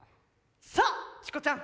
さあチコちゃん！